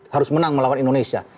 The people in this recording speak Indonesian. harus menang melawan indonesia